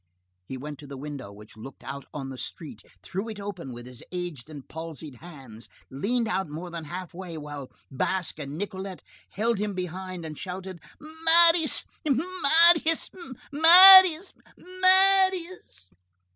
He went to the window which looked out on the street, threw it open with his aged and palsied hands, leaned out more than half way, while Basque and Nicolette held him behind, and shouted:— "Marius! Marius! Marius! Marius!"